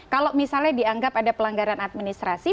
kalau misalnya dianggap ada pelanggaran administrasi